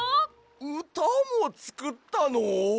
うたもつくったの？